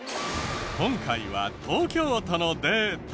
今回は東京都のデータ。